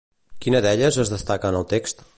Quina d'elles es destaca en el text?